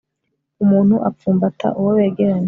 umuntu apfumbata uwo begeranye